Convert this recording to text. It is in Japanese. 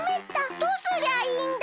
どうすりゃいいんだ。